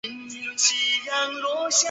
蓬波尔。